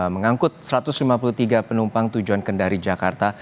mengangkut satu ratus lima puluh tiga penumpang tujuan kendari jakarta